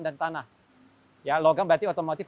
dan tanah ya logam berarti otomotif